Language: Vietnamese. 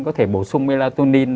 có thể bổ sung melatonin